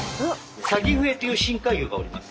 「サギフエ」という深海魚がおります。